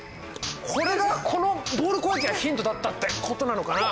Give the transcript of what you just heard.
これがこのボール攻撃がヒントだったってことなのかな？